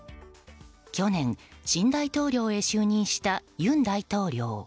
去年、新大統領へ就任した尹大統領。